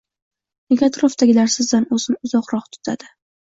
Nega atrofdagilar sizdan o‘zini uzoqroq tutadi?